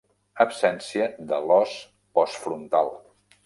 Absència de l'os postfrontal.